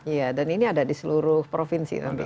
iya dan ini ada di seluruh provinsi